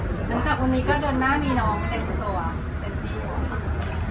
หลังจากวันนี้ก็เดินหน้ามีน้องเต็มตัวเต็มที่อยู่ค่ะ